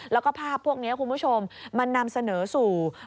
แล้วก็ภาพพวกนี้คุณผู้ชมมันนำเสนอสู่